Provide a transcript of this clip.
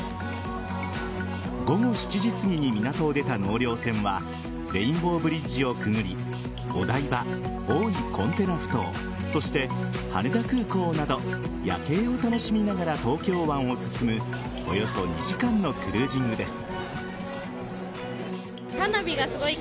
午後７時すぎに港を出た納涼船はレインボーブリッジをくぐりお台場、大井コンテナふ頭そして、羽田空港など夜景を楽しみながら東京湾を進むおよそ２時間のクルージングです。